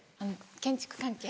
建築関係。